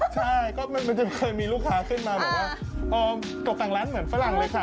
ใช่ก็มันจะเคยมีลูกค้าขึ้นมาบอกว่าตกแต่งร้านเหมือนฝรั่งเลยค่ะ